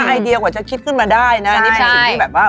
ไอเดียกว่าจะคิดขึ้นมาได้นะอันนี้เป็นสิ่งที่แบบว่า